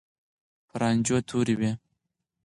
په رانجو تورې وې.